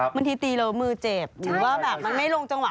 บางทีตีแล้วมือเจ็บหรือว่าแบบมันไม่ลงจังหวะ